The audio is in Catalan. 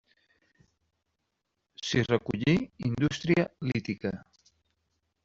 S'hi recollí indústria lítica.